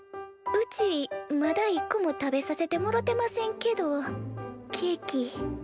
うちまだ１個も食べさせてもろてませんけどケーキ。